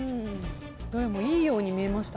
どれもいいように見えました。